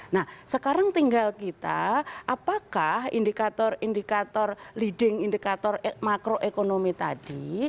nah sekarang tinggal kita apakah indikator indikator leading indikator makroekonomi tadi